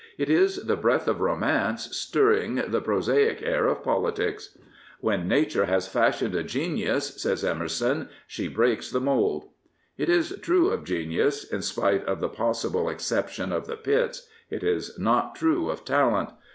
It is the breath of romance stirring the prosaic air of politics. " When Nature has fashioned a genius," says Emerson, " she breaks the moidd." It is true of genius, in spite of the possible exception of the Pitts; it is not true of talent.